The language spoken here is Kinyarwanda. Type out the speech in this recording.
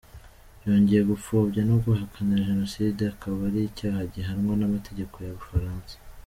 Byongeye gupfobya no guhakana jenoside akaba ari icyaha gihanwa n’amategeko y’u Bufaransa.